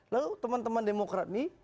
lalu teman teman demokrat ini